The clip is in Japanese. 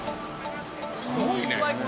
すごいね。